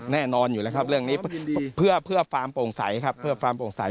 แน่นอนอยู่แล้วครับเหรอเรื่องนี้เพื่อฟาร์มโปรงสัย